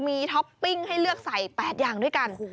มีท็อปปิ้งให้เลือกใส่๘อย่างด้วยกัน